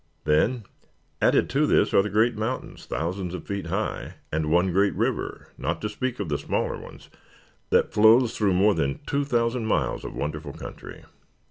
Then, added to this, are the great mountains, thousands of feet high, and one great river not to speak of the smaller ones that flows through more than two thousand miles of wonderful country.